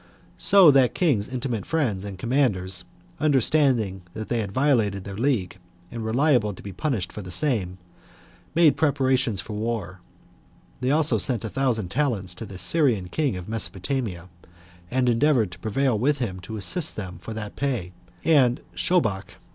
So that king's intimate friends and commanders, understanding that they had violated their league, and were liable to be punished for the same, made preparations for war; they also sent a thousand talents to the Syrian king of Mesopotamia, and endeavored to prevail with him to assist them for that pay, and Shobach.